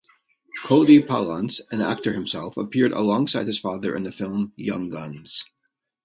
Cody Palance, an actor himself, appeared alongside his father in the film "Young Guns".